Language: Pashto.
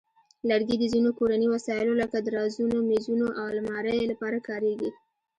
لرګي د ځینو کورني وسایلو لکه درازونو، مېزونو، او المارۍ لپاره کارېږي.